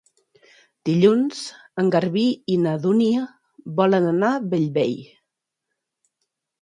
Dilluns en Garbí i na Dúnia volen anar a Bellvei.